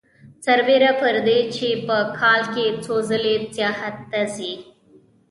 سربېره پر دې په کال کې څو ځلې سیاحت ته ځي